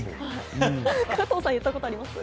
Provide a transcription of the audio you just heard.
加藤さん、言ったことあります？